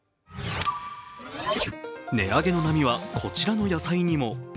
値上げの波はこちらの野菜にも。